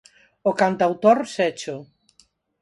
O cantautor Secho.